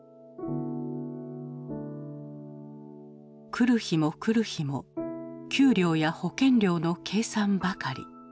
来る日も来る日も給料や保険料の計算ばかり。